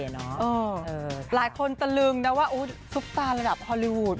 หลายคนตะลึงนะว่าซุปตาระดับฮอลลีวูด